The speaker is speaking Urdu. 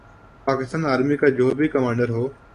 پاکستان آرمی کا جو بھی کمانڈر ہو۔